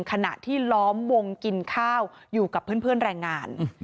ขณะที่ล้อมวงกินข้าวอยู่กับเพื่อนแรงงาน